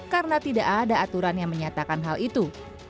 karena tidak ada aturan yang menyatakan hal itu